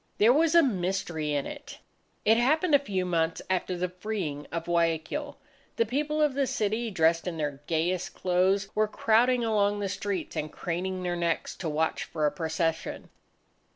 There was a mystery in it. It happened a few months after the freeing of Guayaquil. The people of the city, dressed in their gayest clothes, were crowding along the streets, and craning their necks to watch for a procession.